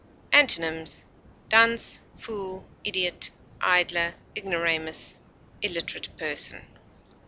Antonyms: dunce, fool, idiot, idler, ignoramus, illiterate person.